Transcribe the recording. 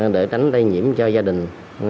để tránh đai nhiễm cho gia đình